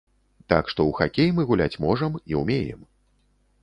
Так што ў хакей мы гуляць можам і ўмеем.